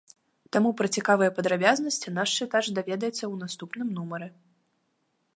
Таму пра цікавыя падрабязнасці наш чытач даведаецца ў наступным нумары.